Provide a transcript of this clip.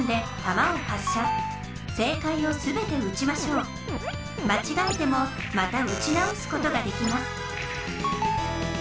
まちがえてもまた撃ちなおすことができます